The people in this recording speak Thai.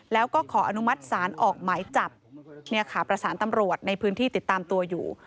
แล้วก็ขออนุมัติศาลออกหมายจับเนี่ยค่ะประสานตำรวจในพื้นที่ติดตามตัวอยู่